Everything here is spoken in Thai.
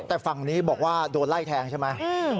แต่ฝั่งนี้บอกว่าโดนไล่แทงใช่ไหม